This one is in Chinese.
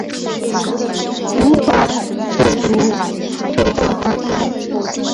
无法阻止地震发生